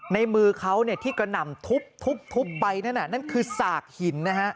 ในมือเขาเนี่ยที่กระหน่ำทุบทุบทุบไปนั่นอ่ะนั่นคือสากหินนะฮะ